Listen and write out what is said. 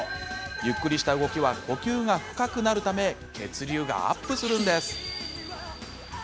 ゆっくりした動きは呼吸が深くなるため血流がアップするんです。